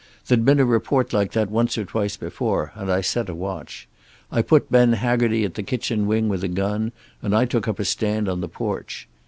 There'd been a report like that once or twice before, and I set a watch. I put Ben Haggerty at the kitchen wing with a gun, and I took up a stand on the porch.